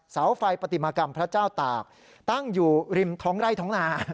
เสาไฟปฏิมากรรมพระเจ้าตากตั้งอยู่ริมท้องไร่ท้องนา